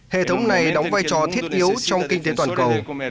hệ thống này đóng vai trò thiết yếu trong kinh tế toàn cầu